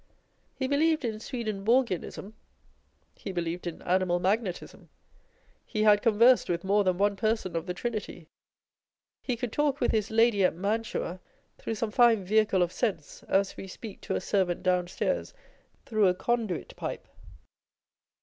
He believed in Swedenborgianism he believed in animal magnetism â€" he had conversed with more than one person of the Trinity â€" he could talk with his lady at Mantua through some fine vehicle of sense, as we speak to a servant downstairs through a conduit pipe.